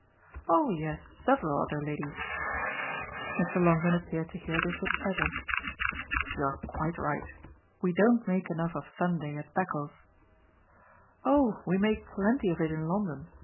"Oh yes, several other ladies." Mr. Longdon appeared to hear this with pleasure. "You're quite right. We don't make enough of Sunday at Beccles." "Oh we make plenty of it in London!"